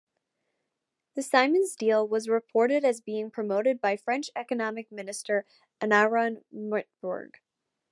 The Siemens deal was reported as being promoted by French economic minister Arnaud Montebourg.